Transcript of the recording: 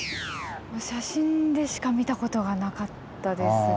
写真でしか見たことがなかったですが。